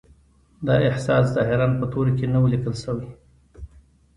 دا احساس ظاهراً په تورو کې نه و لیکل شوی